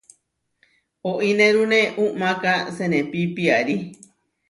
Oínerune umáka senepí piarí.